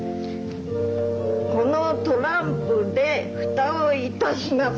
このトランプで蓋をいたします。